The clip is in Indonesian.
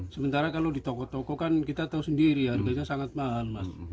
sementara kalau di toko toko kan kita tahu sendiri harganya sangat mahal mas